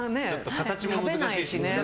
形も難しいしね。